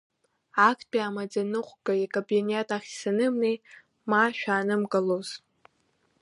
Актәи амаӡаныҟәгаҩ икабинет ахь санымнеи, ма шәаанымгылоз.